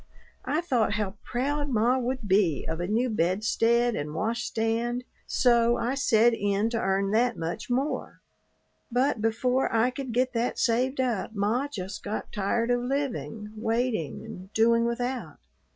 I thought how proud ma would be of a new bedstead and wash stand, so I set in to earn that much more. But before I could get that saved up ma just got tired of living, waiting, and doing without.